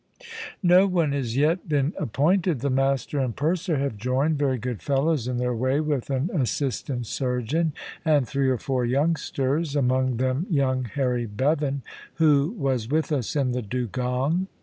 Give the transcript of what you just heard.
"No one has as yet been appointed. The master and purser have joined very good fellows in their way with an assistant surgeon, and three or four youngsters; among them young Harry Bevan, who was with us in the Dugong."